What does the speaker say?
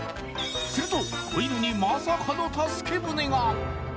すると子犬にまさかの助け舟が！